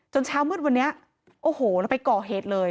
เช้ามืดวันนี้โอ้โหแล้วไปก่อเหตุเลย